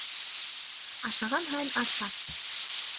Ашаған һайын арта.